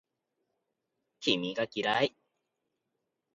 君が嫌い